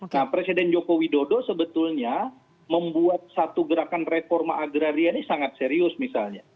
nah presiden joko widodo sebetulnya membuat satu gerakan reforma agraria ini sangat serius misalnya